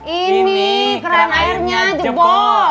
ini keran airnya jeboh